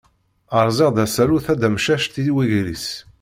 Rẓiɣ-d asalu tadamcact i wegris.